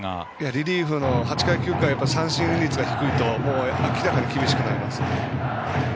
リリーフで８回、９回は三振率が低いと明らかに厳しくなりますよね。